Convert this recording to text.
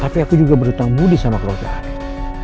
tapi aku juga berhutang mudih sama keluarga arin